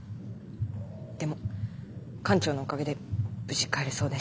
でも艦長のおかげで無事帰れそうです。